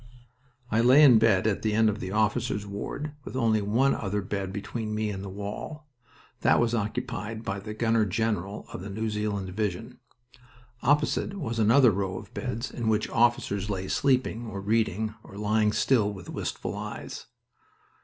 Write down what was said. I lay in bed at the end of the officers' ward, with only one other bed between me and the wall. That was occupied by the gunner general of the New Zealand Division. Opposite was another row of beds in which officers lay sleeping, or reading, or lying still with wistful eyes.